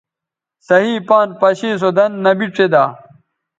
صحیح پان پشے سو دَن نبی ڇیدا